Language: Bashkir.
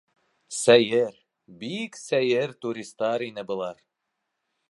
Сәйер, бик сәйер туристар ине былар.